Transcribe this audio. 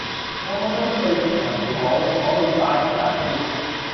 我覺得啲句子長啲好，可以快啲達標